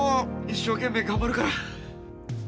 一生懸命、頑張るから。